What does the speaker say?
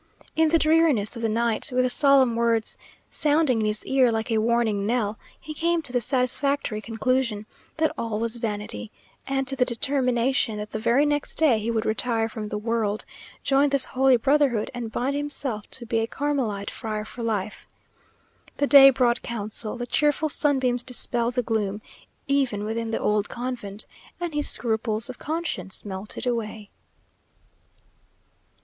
In the dreariness of the night, with the solemn words sounding in his ear like a warning knell, he came to the satisfactory conclusion that all was vanity, and to the determination that the very next day he would retire from the world, join this holy brotherhood, and bind himself to be a Carmelite friar for life. The day brought counsel, the cheerful sunbeams dispelled the gloom, even within the old convent, and his scruples of conscience melted away.